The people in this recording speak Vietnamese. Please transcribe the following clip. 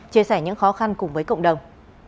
chia sẻ những khó khăn cùng với cộng đồng